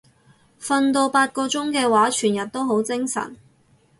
瞓到八個鐘嘅話全日都好精神